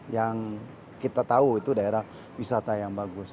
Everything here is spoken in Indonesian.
yang kita tahu itu daerah wisata yang bagus